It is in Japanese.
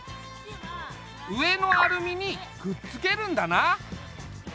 上のアルミにくっつけるんだな。